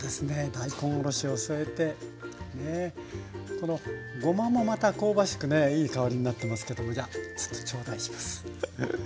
このごまもまた香ばしくねいい香りになってますけどもじゃあちょっと頂戴します。